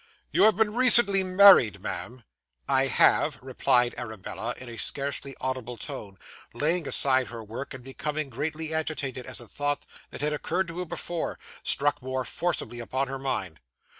'You have been recently married, ma'am?' 'I have,' replied Arabella, in a scarcely audible tone, laying aside her work, and becoming greatly agitated as a thought, that had occurred to her before, struck more forcibly upon her mind.